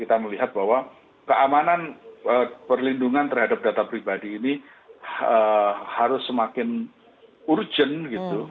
kita melihat bahwa keamanan perlindungan terhadap data pribadi ini harus semakin urgent gitu